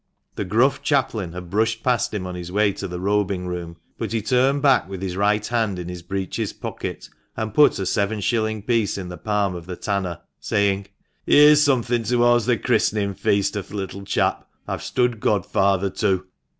The gruff chaplain had brushed past him on his way to the robing room ; but he turned back, with his right hand in his breeches pocket, and put a seven shilling piece in the palm of the tanner, saying :" Here's something towards the christening feast of th' little chap I've stood godfather to.